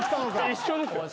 一緒ですよ